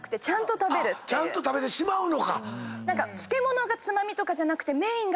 ちゃんと食べてしまうのか⁉そうね。